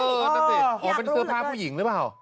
เออนั่นสิอยากรู้หรือเปล่านะคะอ๋อเป็นเสื้อผ้าผู้หญิงหรือเปล่า